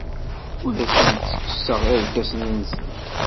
Ur asent-ttekkseɣ irkasen-nsent.